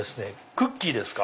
クッキーですか？